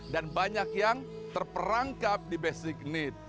banyak yang terperangkap di basic need